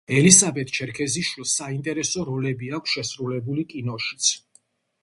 ელისაბედ ჩერქეზიშვილს საინტერესო როლები აქვს შესრულებული კინოშიც.